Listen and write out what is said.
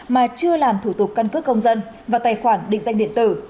mà chưa làm thủ tục căn cước công dân và tài khoản định danh điện tử